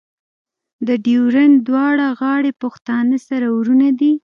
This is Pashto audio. د ډیورنډ دواړه غاړې پښتانه سره ورونه دي.